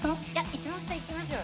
一番下いきましょうよ。